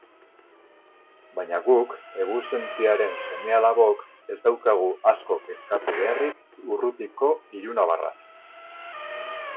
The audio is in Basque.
Baina guk, egunsentiaren seme-alabok, ez daukagu asko kezkatu beharrik urrutiko ilunabarraz.